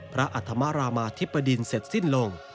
อัธมรามาธิบดินเสร็จสิ้นลง